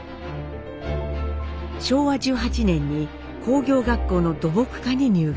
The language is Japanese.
昭和１８年に工業学校の土木科に入学。